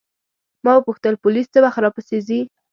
ما وپوښتل پولیس څه وخت راپسې راځي.